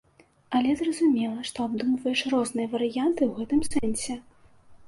Але зразумела, што абдумваеш розныя варыянты ў гэтым сэнсе.